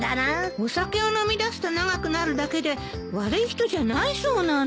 お酒を飲みだすと長くなるだけで悪い人じゃないそうなの。